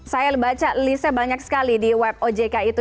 saya baca listnya banyak sekali di web ojk itu